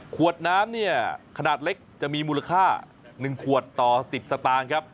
ขวดน้ำเนี่ยขนาดเล็กจะมีมูลค่า๑ขวดต่อ๑๐สตางค์ครับ